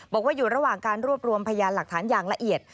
บอกว่าอยู่ระหว่างการรวบรวมพยานหลักฐานอย่างละเอียด